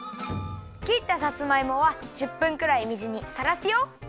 きったさつまいもは１０分くらい水にさらすよ！